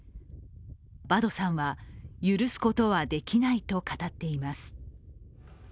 バドさんは、許すことはできないと語っています。